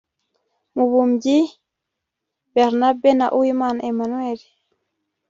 Mubumbyi Bernabe na Uwimana Emmanuel